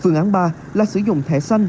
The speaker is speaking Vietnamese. phương án ba là sử dụng thẻ xanh